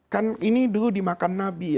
kan ini dulu dimakan nabi